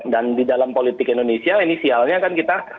dan di dalam politik indonesia inisialnya kan kita